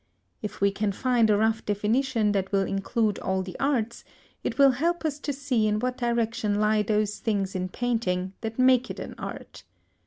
If we can find a rough definition that will include all the arts, it will help us to see in what direction lie those things in painting that make it an art.